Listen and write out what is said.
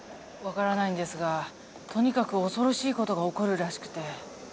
分からないんですがとにかく恐ろしい事が起こるらしくて。